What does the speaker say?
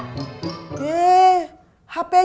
tidak ada yang bisa diberikan